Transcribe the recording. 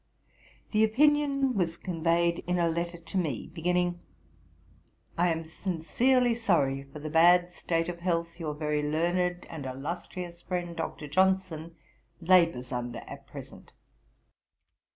The opinion was conveyed in a letter to me, beginning, 'I am sincerely sorry for the bad state of health your very learned and illustrious friend, Dr. Johnson, labours under at present.'